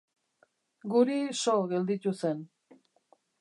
Guri so gelditu zen.